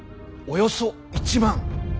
およそ１万。